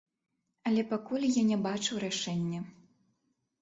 Але пакуль я не бачу рашэння.